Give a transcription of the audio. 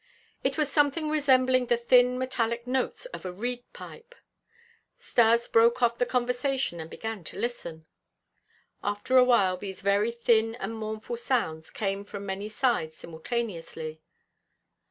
It was something resembling the thin, metallic notes of a reed pipe. Stas broke off the conversation and began to listen. After a while these very thin and mournful sounds came from many sides simultaneously.